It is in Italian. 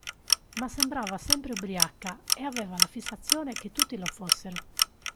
Ma sembrava sempre ubriaca ed aveva la fissazione che tutti lo fossero.